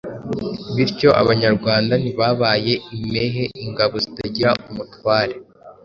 Bityo Abanyarwanda ntibabaye impehe ingabo zitagira umutware.